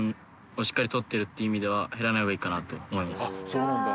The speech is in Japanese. そうなんだ。